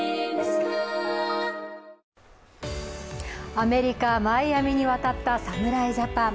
アメリカ・マイアミに渡った侍ジャパン。